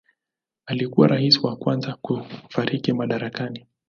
Alikuwa rais wa kwanza kufariki madarakani.